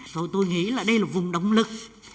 thôi tôi nghĩ là đây là vùng động lực